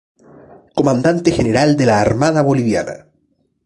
Comandante General de la Armada Boliviana.